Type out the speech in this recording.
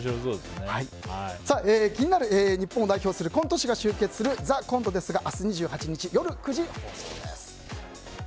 日本を代表するコント師が集結する「ＴＨＥＣＯＮＴＥ」ですが明日２８日、夜９時放送です。